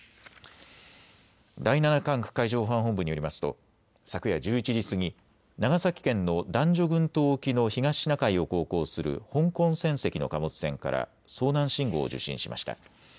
第７管区海上保安本部によりますと昨夜１１時過ぎ、長崎県の男女群島沖の東シナ海を航行する香港船籍の貨物船から遭難信号を受信しました。